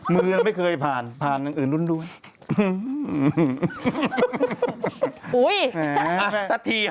มือไม่เคยผ่านผ่านอื่นรุ่นรู้ไหม